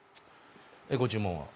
ご注文は？